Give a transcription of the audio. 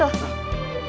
fokus dua ya